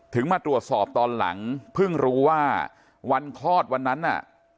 มาตรวจสอบตอนหลังเพิ่งรู้ว่าวันคลอดวันนั้นน่ะ